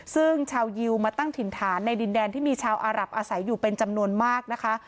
ซึ่งชาวยิวมาตั้งถิ่นฐานในดินแดนที่มีชาวอารับอาศัยอยู่เป็นจำนวนมากนะคะ